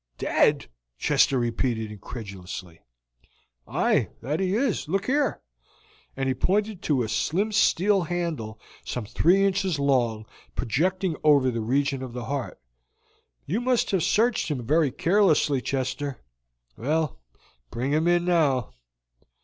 "Dead!" Chester repeated incredulously. "Aye, that he is. Look here;" and he pointed to a slim steel handle some three inches long, projecting over the region of the heart. "You must have searched him very carelessly, Chester. Well, bring him in now."